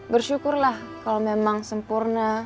bersyukurlah kalau memang sempurna